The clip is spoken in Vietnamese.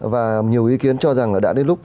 và nhiều ý kiến cho rằng là đã đến lúc